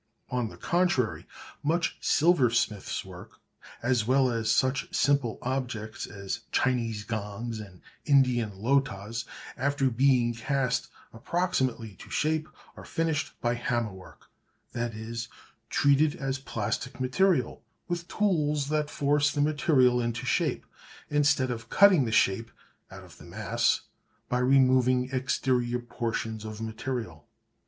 On the contrary, much silversmith's work, as well as such simple objects as Chinese gongs and Indian "lotahs," after being cast approximately to shape are finished by hammer work, that is, treated as plastic material with tools that force the material into shape instead of cutting the shape out of the mass by removing exterior portions of material.